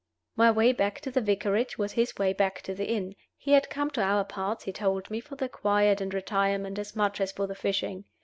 My way back to the Vicarage was his way back to the inn. He had come to our parts, he told me, for the quiet and retirement as much as for the fishing.